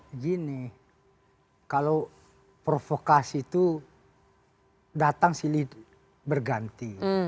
begini kalau provokasi itu datang silih berganti